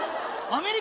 アメリカ？